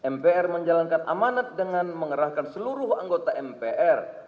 mpr menjalankan amanat dengan mengerahkan seluruh anggota mpr